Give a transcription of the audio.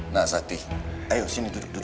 nah satih ayo sini duduk duduk